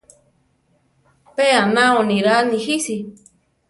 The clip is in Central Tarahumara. Pe anao niraa nijisi.